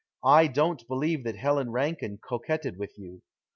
I don't believe that Helen Rankine coquetted with you.